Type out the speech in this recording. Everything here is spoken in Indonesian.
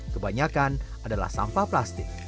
kebanyakan adalah sampah plastik